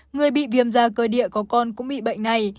người bị viêm da cơ địa có con cũng bị bệnh này